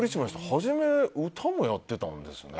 初め、歌もやってたんですね。